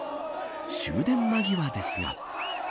終電間際ですが。